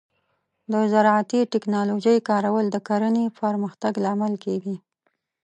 د زراعتي ټیکنالوجۍ کارول د کرنې پرمختګ لامل کیږي.